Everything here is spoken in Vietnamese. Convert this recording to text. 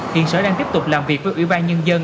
hiện sở đang tiếp tục làm việc với ủy ban nhân dân